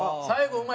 最後。